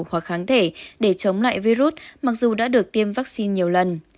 hoặc kháng thể để chống lại virus mặc dù đã được tiêm vaccine nhiều lần